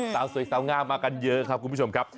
สาวสวยสาวงามมากันเยอะครับคุณผู้ชมครับ